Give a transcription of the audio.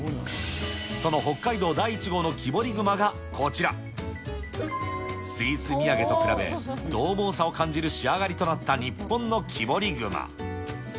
その北海道第１号の木彫り熊がこちら、スイス土産と比べ、どう猛さを感じる仕上がりとなった日本の木彫り熊。